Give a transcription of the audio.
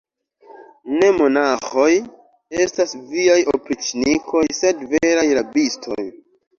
Ne monaĥoj estas viaj opriĉnikoj, sed veraj rabistoj.